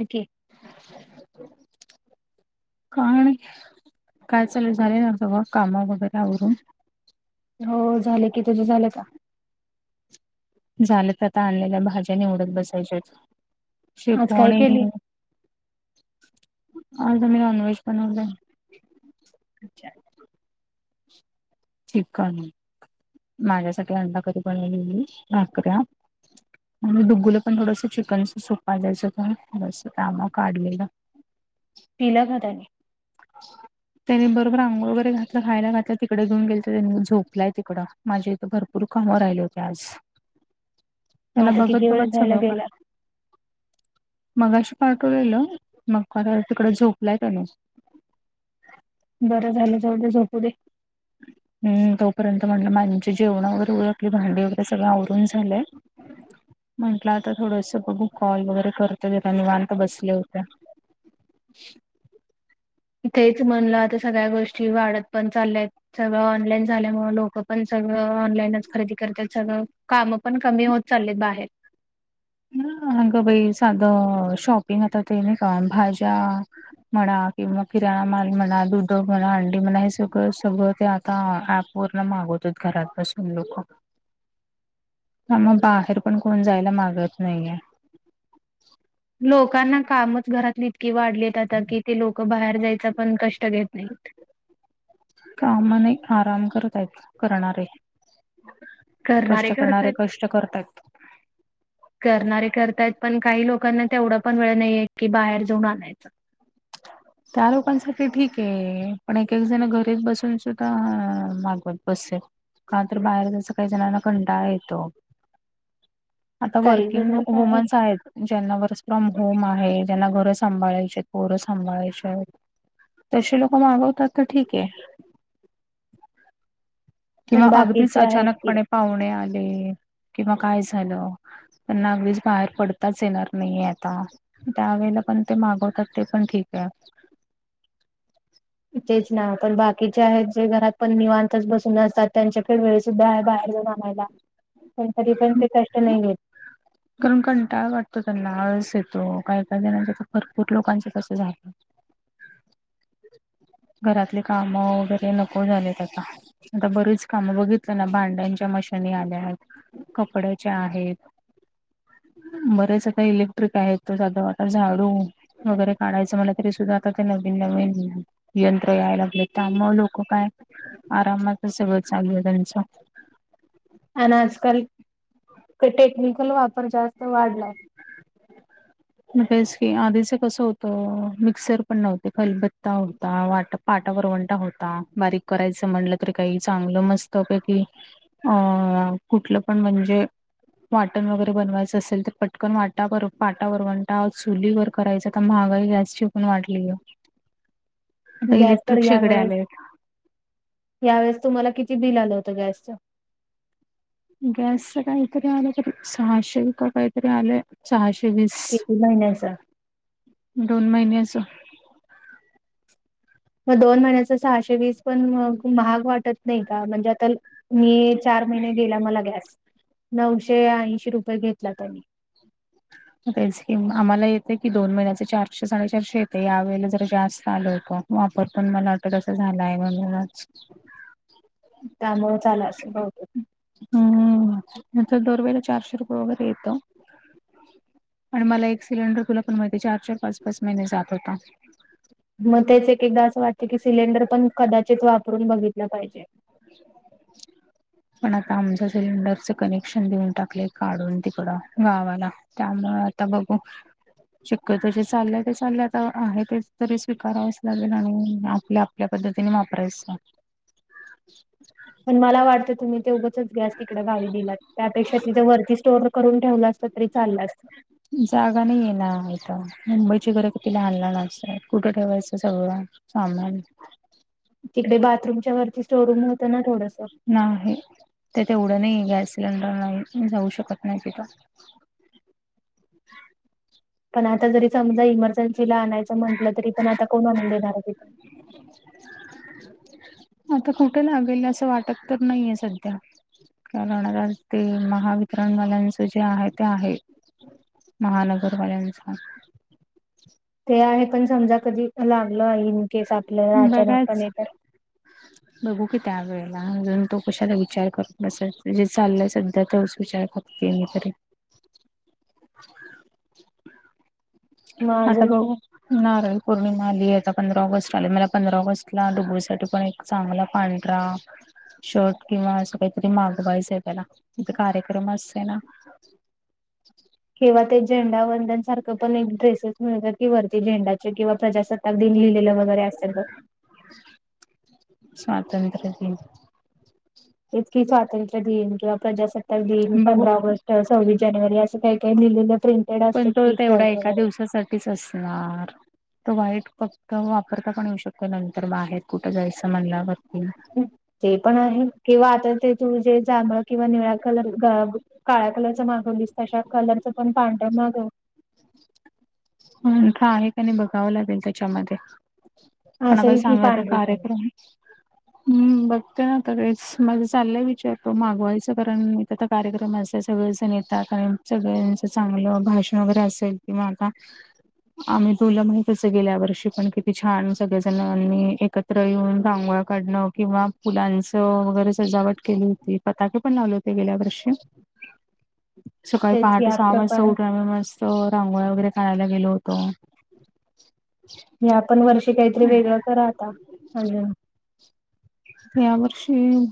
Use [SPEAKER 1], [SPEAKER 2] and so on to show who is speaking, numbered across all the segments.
[SPEAKER 1] हो, की.
[SPEAKER 2] [inaudible] काय, काय चाल झाले ना सगळ काम वगैरे अवरून?
[SPEAKER 1] हो झाले की, तुझं झालं का?
[SPEAKER 2] झालेत आता आणलेल्या भाज्या निवडत बसायच्या
[SPEAKER 1] आज
[SPEAKER 2] शेपु
[SPEAKER 1] काय
[SPEAKER 2] आणि
[SPEAKER 1] केली
[SPEAKER 2] आता मी अन्वेश बनुन जाईल.
[SPEAKER 1] अच्छा.
[SPEAKER 2] चिकन माझ्यासाठी अंडाकधी बनवलेली भाकऱ्या आणि दुगुलं पण थोडंसं चिकनच सोपा जायचं का थडस कामा काढलेलं.
[SPEAKER 1] तिलाघदाणे. [inaudible]
[SPEAKER 2] त्यानी बरोबर आंघो वगैर घातलं खायला घातलं तिकडे घेऊन गेले तर त्यांनी झोपलाय तिकडं माझे इथं भरूर. तर कामावर राहिले होते आज
[SPEAKER 1] मग
[SPEAKER 2] त्याला
[SPEAKER 1] आता
[SPEAKER 2] बघत
[SPEAKER 1] किती वेळ
[SPEAKER 2] बघत
[SPEAKER 1] झाला
[SPEAKER 2] सगळं
[SPEAKER 1] गेला.
[SPEAKER 2] करा मगाशी प्टवलेलं मग तिकड झोपलाय त्यान.
[SPEAKER 1] बरं झालं जावढ झोपू दे.
[SPEAKER 2] हम् तोपर्यंत म्हटलं माझे जेवणा वगैरे आपली भांडी वगैरे सगळं आवरून झालंय.
[SPEAKER 1] हम्.
[SPEAKER 2] म्हंटलं आता थोडस बघू कॉल वगैरे करतो निवांत बसले होते.
[SPEAKER 1] [unintelligible] तेच म्हणलं आता सगळ्या गोष्टी वाढत पण चालल्यात. सगळं ऑनलाईन झाल्यामुं लोक पण सगळं ऑनलाईनच खरेदी करतात सगळं. काम पण कमी होत चाललेत बाहेर.
[SPEAKER 2] हग बाई साधं शॉपिंग आता ते नाही का भाज्या म्हणा किंवा किराणा माल म्हणा दुध म्हणा अंडी म्हणा हे सगळं सगळं ते आता पूर्ण मागवतोच घरात बसून लोक.
[SPEAKER 1] [unintelligible]
[SPEAKER 2] ह मग बाहेर पण कोण जायला मागत नाहीये.
[SPEAKER 1] लोकांना कामच घरात इतके वाढलेत आता की ते लोक बाहेर जायचं पण कष्ट तर येत नाहीत.
[SPEAKER 2] कामाने आराम करत आहेत करणारे. कष्ट करणारे कष्ट करतयात.
[SPEAKER 1] करणारे करतायत पण काही लोकांना तेवढा पण वेळ नाहीये की बाहेर जाऊन आणायचं.
[SPEAKER 2] त्या लोकांसाठी ठीक आहे पण एक एक जण घरीच बसून सुद्धा मागातात. कसे का तर बाहेर जस काही जणांना कंडाळ येतो.
[SPEAKER 1] [unintelligible]
[SPEAKER 2] आता
[SPEAKER 1] काही
[SPEAKER 2] वर्किंग
[SPEAKER 1] जणांच आहे
[SPEAKER 2] वुमन्स आहेत. ज्यांना वर्स फ्रॉम होम आहे ज्यांना घरं सांभाळायचे पोरं सांभाळायचे. तसे लोक मागवतात तर ठीक आहे. किंवा
[SPEAKER 1] पण
[SPEAKER 2] अगदीच
[SPEAKER 1] बाकीचे आहेत की
[SPEAKER 2] अचानकपणे पाहुणे आले किंवा काय झालं. त्यांना अगदीच बाहेर पडताच येणार नाहीे आता त्यावेेळेला पण ते मागवतात ते पण ठीक आहे.
[SPEAKER 1] तेच ना पण बाकीचे आहेत जे घरात पण निवांतच बसून असतात त्यांच्याकेळ वेळे. बाहेर जाउन अनायला पण तधी पण ते कष्ट नाही.
[SPEAKER 2] कारण कंटाळ वाटतो त्यांना आळस येतो काही काही जणांचा तर भरपूर लोकांचं अस झाले. घरातले काम वगैरे नको झालेत आता आता बरीच कामं बघितलं ना भांड्यांच्या मशनी आल्या आहेत. कपड्याच्या आहेत. बरेच आता इलेक्ट्रिक आहेत त साध वाट झाडू वगैरे काढायचं म्हणा तरी सुद्धा आता ते नवीन नवीन यंत्र याय लागले त्यामु लोक काय आरामच सवळं चालूलं त्यांचं.
[SPEAKER 1] आणि आजकाल टेक्निकल वापर जास्त वाढलाय. [unintelligible]
[SPEAKER 2] तेच की आधीच कसं होतं मिक्सर पण नव्हते खलबत्ता होता वाटप. पाटावर वंटा होता बारीक करायचं म्हणलं तरी काही चांगलं मस्त पैकी अ कुठलं पण म्हणजे वाटण वगैरे बनवायचं असेल तर चटकन वाटार पाटा वर वंटा चुलीवरर करायचता महागाई गॅस् चिकून वाढली आहे. आता
[SPEAKER 1] गॅस तर
[SPEAKER 2] इलेक्ट्रिकशेकडे आले आहेत.
[SPEAKER 1] यावेळेस तुम्हाला किती बिल आलं होतं गॅसचं
[SPEAKER 2] गॅसच काहीतरी आलं तरी सहाशे व काहीतरी आलं सहाशे वीस
[SPEAKER 1] कती महिन्याचा
[SPEAKER 2] दोन महिन्याचं
[SPEAKER 1] मग दोन महिन्याच सहाशे वीस पण महाग वाटत नाही का म्हणजे आता मी चार महिने गेला मला गॅस नऊशे ऐंशी रुपये घेतला त्यांनी [inaudible]
[SPEAKER 2] तेच कि आम्हाला येते की दोन महिन्याचे चारशे साडेचारशे येते या वेळेला जरा जास्त आलोय का वापर पण मला तस झालाय म्हणूनच
[SPEAKER 1] त्यामुळे चाला असेल ब
[SPEAKER 2] हम्म म दोर वेला चारशे रुपये वगैरे येतो आणि मला एक सिलेंडर खुला पण माहिती चार चार पाच पाच महिने जात होता
[SPEAKER 1] मग तेच एक एकदा असं वाटत की सिलेंडर पण कदाचित वापरून बघितलं पाहिजे [inaudible]
[SPEAKER 2] पण आता आमच सिलेंडरच कनेक्शन देऊन टाकलेय काढून तिकडं गावाला त्यामुळे आता बघू शक्यत जे चालल्या ते चालल्या आहे तेच तरी स्वीकारावच लागेल आणि आपल्या पद्धतीने वापरायचं ह
[SPEAKER 1] पण मला वाटतं तुम्ही ते उगच गॅस तिकडे घावी दिलात त्यापेक्षा तिथे वरतीच स्टोर करून ठेवला असत तरी चाललं असत
[SPEAKER 2] जागा नाही आहे ना आथ मुंबईची घरं किती लहान लहानच आहेत कुठं ठेवायचं सगळं सामान
[SPEAKER 1] तिकडे बाथरूमच्या वरती स्टोरूम होतं ना थोडस
[SPEAKER 2] नाही ते तेवढं नाही गॅस सिलेंडर नाही जाऊ शकत नाही तिथं
[SPEAKER 1] पण आता जरी समजा इमर्जन्सीला आणायचं म्हटलं तरी पण आता कोण आणून देणार आहे तिथून [inaudible]
[SPEAKER 2] आता कुठे लागेल असं वाटत तर नाहीये सध्या काणार ते महावितरणवाल्यांच जे आहे ते आहे महानगरवाल्यांचा
[SPEAKER 1] ते आहे पण समजा कधी लागलं आहे इनकेस आप
[SPEAKER 2] बघाच
[SPEAKER 1] [inaudible]
[SPEAKER 2] बघू की त्या वेळेला अजून तो कशाला विचार करून बसत जे चाललंय सध्या तेच विचार करत तेन कररी
[SPEAKER 1] मग अजून
[SPEAKER 2] आताग ना र पौर्णिमा आली आहे आता पंधरा ऑगस्ट आली मला पंधरा ऑगस्ट ला डुबरीसाठी पण चांगला पांढरा शर्ट किंवा असं काहीतरी मागवायचं आहे त्याला इथ कार्यक्रम असते ना
[SPEAKER 1] किंवा ते झेंडा वंदनसारखं पण एक ड्रेसेस मिळतात की वरती झेंडाचे किंवा प्रजासत्ताक अगदी लिहिलेलं वगैरे असेल तर
[SPEAKER 2] स्वातंत्र्य दिन
[SPEAKER 1] इत कि स्वातंत्र्य दिन किंवा प्रजासत्ताक दिन
[SPEAKER 2] बघू
[SPEAKER 1] पंधरा ऑगस्ट अस सौवीस जानेवारी असं काही काही दिलेलं प्र
[SPEAKER 2] पण तो ते एवढा एका दिवसासाठीच असणार तर वाईट फक्त वापरता पण येऊ शकतो नंतर बाहेर कुठं जायचं म्हणला व
[SPEAKER 1] ते पण आहे किंवा आता ते तुझे जांगळ किंवा निळा्या कलर ग काळ्या कलरच मागवलीस तशा कलरच पण पांडव मागव
[SPEAKER 2] ख आहे का नाही बघावं लागेल त्याच्यामध्ये पता
[SPEAKER 1] असेल की
[SPEAKER 2] सांगाचा
[SPEAKER 1] पांढरी
[SPEAKER 2] कार्यक्रम
[SPEAKER 1] [inaudible]
[SPEAKER 2] हम्म बघते ना काळेच माझं चाललंय विचारतो मागवायचं कारण मी कार्यक्रम असेल सगळच नेता कारण सगळ्यांचं चांगलं भाषण वगैरे असेल कि माग
[SPEAKER 1] [inaudible]
[SPEAKER 2] आम्ही तुला माहितच गेल्या वर्षी पण किती छान सगळेजणाणी एकत त्र येऊन रांगोळ्या काढणं किंवा फुलांचं वगैरे सजावट केली होती. पताके पण लावलेते गेल्या वर्षी
[SPEAKER 1] [inaudible]
[SPEAKER 2] सकाळी
[SPEAKER 1] तेच
[SPEAKER 2] पहाटे
[SPEAKER 1] या
[SPEAKER 2] सहा वाजता
[SPEAKER 1] प्रकार
[SPEAKER 2] उठून आम्ही मस्त रांगोळ्या वगैरे काढायला गेलो होतो.
[SPEAKER 1] ह्या पण वर्षी काहीतरी वेगळं करा आता अजुन
[SPEAKER 2] या वर्षी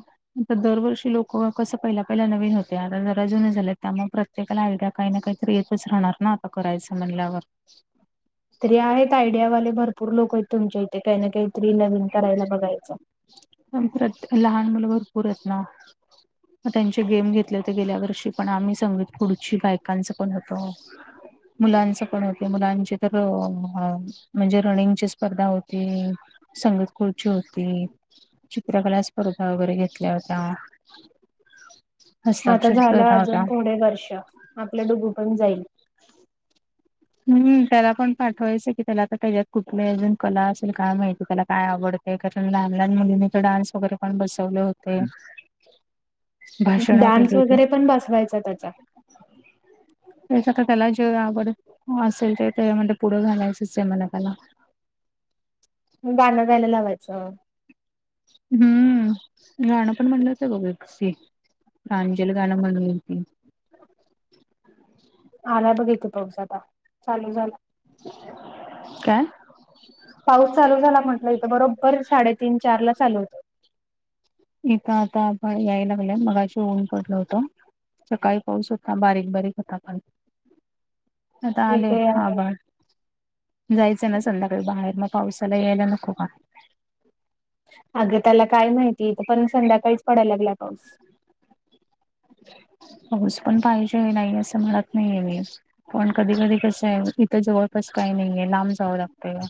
[SPEAKER 2] ता दरवर्षी लोक कसं पहिला पहिला नवीन होते आता जरा जुने झाले त्यामुळे प्रत तेकाला आयडिया काही ना काहीतरी येतच राहणार ना आता करायचं म्हणल्यावर.
[SPEAKER 1] तरी आहेत आयडियावाले भरपूर लोक आहेत तुमच्या इथे काही ना काहीतरी नविन करायला बघायचं.
[SPEAKER 2] आणि प्रत लहान मुलं भरपूर आहेत ना? मग त्यांचे गेम घेतले तर गेल्या वर्षी पण आम्ही संगीत खुर्ची बायकांचं पण होतं. मुलांच पण होते मुलांची तर म्हणजे रनिंगची स्पर्धा होती. संगीत खुर्ची होती चित्रकला स्पर्धा वगैरे घेतल्या होत्या.
[SPEAKER 1] हो आता
[SPEAKER 2] हस्ताक्षर
[SPEAKER 1] झालं
[SPEAKER 2] स्पर्धा होत्या
[SPEAKER 1] अजून थोडे वर्ष आपलं डुगु पण जाईल.
[SPEAKER 2] हम्म त्याला पण पाठवायचं की त्याला आ त्याच्यात कुठली अजून कला असेल काय माहिती त्याला काय आवडत. ते काय तर लहान लहान मुलींनी तर डान्स वगैरे पण बसवले होते. भाषणं केली
[SPEAKER 1] डान्स
[SPEAKER 2] होती
[SPEAKER 1] वगैरे पण बसवायचा त्याचा.
[SPEAKER 2] त्याच आता त्याला जे आवड हो असेल ते ते म्हणजे पुढं घालायचं से म्हणाकाला.
[SPEAKER 1] गाणं गायला लावायचं.
[SPEAKER 2] हम्म गाणं पण म्हणलं होत [unintelligible] प्रांजल गाणं म्हणून होती.
[SPEAKER 1] [inaudible] आला बघ इथ पाऊस आता चालू झाला.
[SPEAKER 2] काय?
[SPEAKER 1] पाऊस चालू झाला म्हटलं इथं बरोबर साडेतीन चार ला चालू होतो.
[SPEAKER 2] इथ आता पहा यायला लागलंय मगाशी ऊन पडलं होत. सकाळी पाऊस होता बारीक बारीक होता पण
[SPEAKER 1] [inaudible]
[SPEAKER 2] आता आले
[SPEAKER 1] इथे
[SPEAKER 2] आबाळ. जायचं ना संध्याकाळी बाहेर मग पावसाला यायला नको का?
[SPEAKER 1] अगं त्याला काय माहिती इथ पण संध्याकाळीच पडायला लागलाय पाऊस.
[SPEAKER 2] पाऊस पण पाहिजे नाही असं म्हणत नाहीये मी. पण कधी कधी कसं आहे इथं जवळपास काही नाहीये लांब जावं लागतं.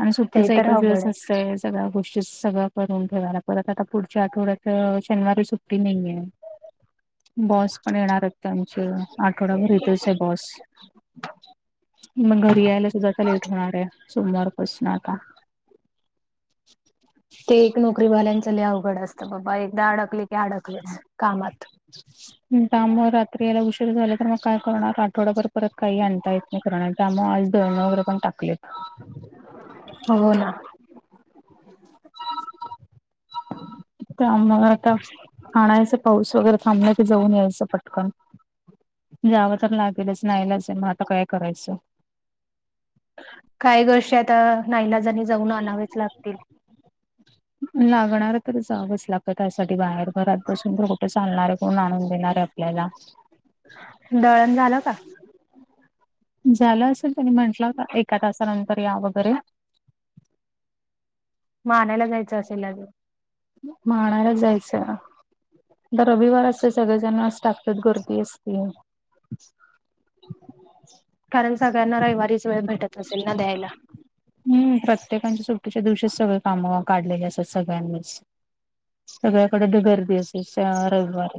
[SPEAKER 2] आणि
[SPEAKER 1] ते
[SPEAKER 2] सुट्टीचा
[SPEAKER 1] तर
[SPEAKER 2] एक
[SPEAKER 1] अवघड
[SPEAKER 2] दिवस
[SPEAKER 1] आहे
[SPEAKER 2] असतयच. सगळ्या गोष्टी सगळं करून ठेवायला पर आता आता पुढच्या आठवड्यात शनिवारी सुट्टी नाहीयाय.
[SPEAKER 1] [inaudible]
[SPEAKER 2] बॉस पण येणार आहेत आमचे आठवडाभर इथच आहे बॉस. मग घरी यायला सुधा आता लेट होणार आहे सोमवारपासण आता.
[SPEAKER 1] ते एक नोकरी वाल्यांच लय अवघड असतं बाबा एकदा अडकले की अडकलच कामात.
[SPEAKER 2] त्यामुळे रात्री यायला उशीर झाला तर मग काय करणार आठवडाभर परत काही आणता येत त्यामुळे आज दळण वगैरे पण टाकलेत.
[SPEAKER 1] हो ना.
[SPEAKER 2] ते आम्हाला आता आणायचं पाऊस वगैरे थांबलाय ते जाऊन यायचं पटकन. जावं तर लागेलच नाईलाजाय मग आता काय करायचं?
[SPEAKER 1] काय ग शता नाईलाजाणी जाऊन आणावेच लागतील.
[SPEAKER 2] लागणार तर जावंच लागतं त्यासाठी बाहेर घरात बसून तर कुठे चालणार आहे कोण आणून देणार आहे. याला
[SPEAKER 1] दळण झालं का?
[SPEAKER 2] झालं असेल त्यांनी म्हंटलं का एका तासानंतर या वगैरे
[SPEAKER 1] म आणायला जायचं असेल अजून
[SPEAKER 2] म आणायलाच जायचंय ना तर रविवार असते सगळेजण असतात गर्दी असतीय [inaudible]
[SPEAKER 1] कारण सगळ्यांना रविवारीच वेळ भेटत असेल ना द्यायला
[SPEAKER 2] हम्म प्रत्येकाांच्या सुट्टीच्या दिवशीच सगळे कामं काढलेले असात सगळ्यांनीच सगळ्याकडे गर्दी असे रविवार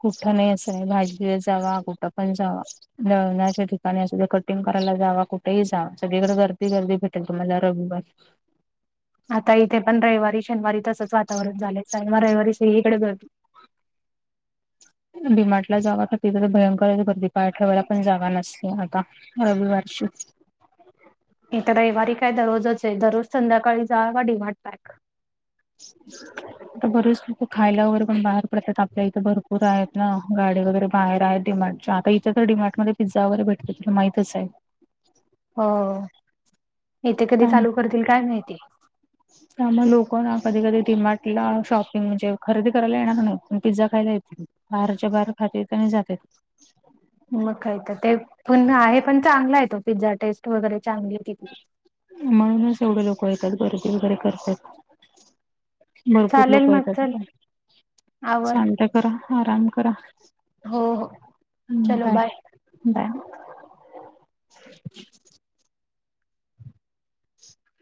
[SPEAKER 2] कुठं नाही असं आहे भाजीला जावा कुठं पण जावा जळणाश ठिकाणी असं ते कटिंग करायला जावा कुठेही जा सगळीकडे गर्दी गर्दी भेटेल तुम्हाला रविवार
[SPEAKER 1] आता इथे पण रविवारी शनिवारी तसंच वातावरण झाले सानवार रविवारी सळी इकडे जतो
[SPEAKER 2] भिमाटला जाग तर तिथं तर भयंकरच भतीपाय ठेवायला पण जाग नसते आता रविवार श
[SPEAKER 1] नाही तर रविवारी काय दररोजच आहे दररोज संध्याकाळी जा का डी मार्ट पॅक
[SPEAKER 2] [inaudible] आता बरेच लक खायला वगैरे पण बाहेर पडतात आपल्या इथे भरपूर आहेत ना गाडी वगैरे बाहेर आहेत डिमांड आता इथ तर डी मार्ट म पझ्झा वगरेटते तिला माहितच आहे
[SPEAKER 1] हो येथे कधी चालू करतील काय माहिती
[SPEAKER 2] त्या मग लोक ना कधी कधी टिमार्टला शॉपिंग म्हणजे खरेदी करायला येणार नाही पण पिझ्झा खायला येतील बाहेारच्या बाहेर खात त्यांनी जातात
[SPEAKER 1] मग काही तर ते पुन्हा आहे पण चांगला आहे तो पिझ्झा टेस्ट वगैरे चांगली आहे तिथली
[SPEAKER 2] म्हणूनच एवढे लोक येतात गर्दी वगैरे करतात भरपूर लोक
[SPEAKER 1] चालेल मग चल
[SPEAKER 2] येतात आ
[SPEAKER 1] आवर
[SPEAKER 2] सांत करा आराम करा
[SPEAKER 1] हो हो
[SPEAKER 2] बाय बाय
[SPEAKER 1] [inaudible]
[SPEAKER 2] [inaudible]